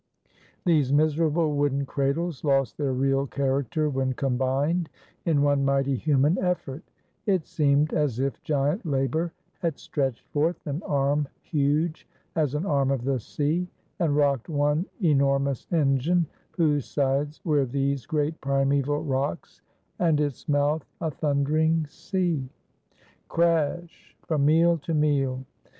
These miserable wooden cradles lost their real character when combined in one mighty human effort; it seemed as if giant labor had stretched forth an arm huge as an arm of the sea and rocked one enormous engine, whose sides where these great primeval rocks, and its mouth a thundering sea. Crash! from meal to meal!